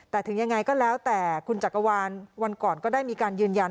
แต่ถึงยังไงก็แล้วแต่คุณจักรวาลวันก่อนก็ได้มีการยืนยัน